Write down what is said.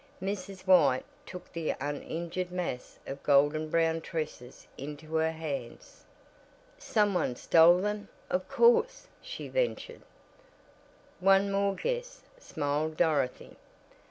Mrs. White took the uninjured mass of golden brown tresses into her hands. "Some one stole them, of course," she ventured. "One more guess!" smiled Dorothy.